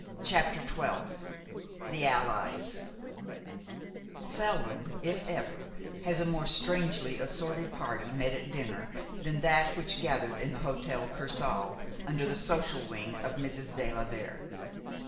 CHAPTER XII THE ALLIES Seldom, if ever, has a more strangely assorted party met at dinner than that which gathered in the Hotel Kursaal under the social wing of Mrs. de la Vere.